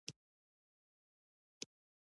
د ميرويس خان لاسونه يې ور وتړل.